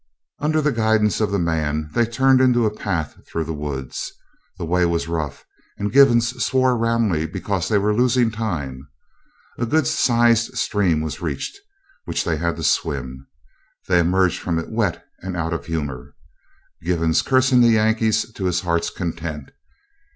Under the guidance of the man they turned into a path through the woods. The way was rough, and Givens swore roundly because they were losing time. A good sized stream was reached, which they had to swim. They emerged from it wet and out of humor, Givens cursing the Yankees to his heart's content.